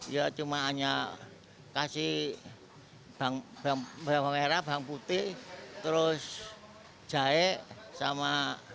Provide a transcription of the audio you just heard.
ya cuma hanya kasih bawang merah bawang putih terus jahe sama